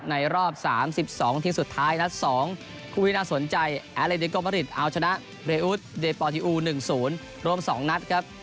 ในรอบ๓๒ทิ้งสุดท้ายนัด๒